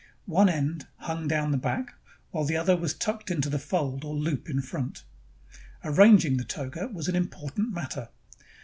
One end hung down in the back, while the other was tucked into the fold or loop in front. Arranging the toga was an impor tant matter.